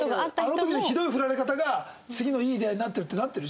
あの時のひどいフラれ方が次のいい出会いになってるってなってる？